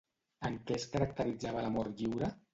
En què es caracteritzava l'amor lliure?